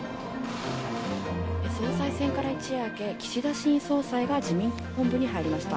総裁選から一夜明け、岸田新総裁が自民党本部に入りました。